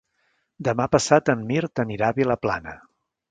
Demà passat en Mirt anirà a Vilaplana.